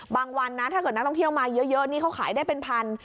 วันนะถ้าเกิดนักท่องเที่ยวมาเยอะนี่เขาขายได้เป็นพัน